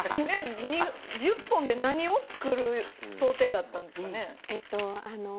１０本で何を作る想定だったんですか？